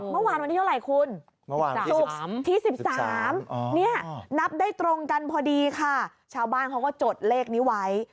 ครับที่สามที่สามนับได้ตรงกันพอดีค่ะชาวบ้านเขาก็จดเลขนี้ไว้